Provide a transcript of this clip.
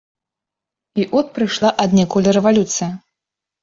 І от прыйшла аднекуль рэвалюцыя.